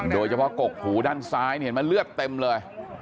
โดยเฉพาะกกหูด้านซ้ายเนี่ยมันเลือกเต็มเลย